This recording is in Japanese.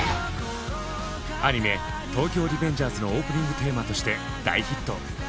アニメ「東京リベンジャーズ」のオープニングテーマとして大ヒット。